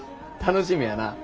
楽しみやな。